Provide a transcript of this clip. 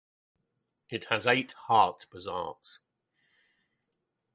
It has eight Haat bazaars.